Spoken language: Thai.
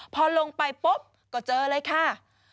พอลงไปปุ๊บก็เจอเลยค่ะ